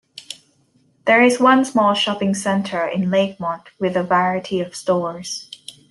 There is one small shopping center in Lakemont with a variety of stores.